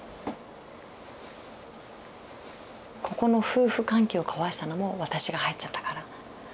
ここの夫婦関係を壊したのも私が入っちゃったから。